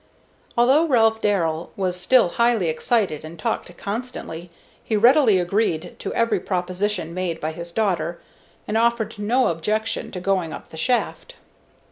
Although Ralph Darrell was still highly excited and talked constantly, he readily agreed to every proposition made by his daughter, and offered no objection to going up the shaft.